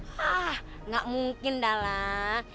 hah nggak mungkin dahlah